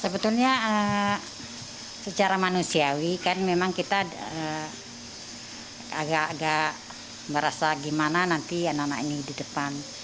sebetulnya secara manusiawi kan memang kita agak agak merasa gimana nanti anak anak ini di depan